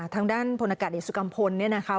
ทางด้านพลอากาศเอกสุกัมพลเนี่ยนะคะ